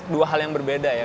dua hal yang berbeda ya